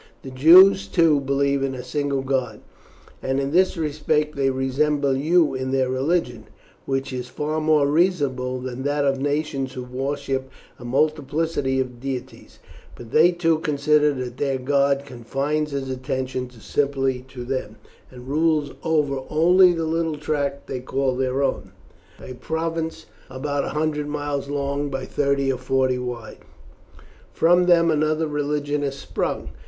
The Jews, too, believe in a single God, and in this respect they resemble you in their religion, which is far more reasonable than that of nations who worship a multiplicity of deities; but they too consider that their God confines His attention simply to them, and rules over only the little tract they call their own a province about a hundred miles long, by thirty or forty wide. From them another religion has sprung.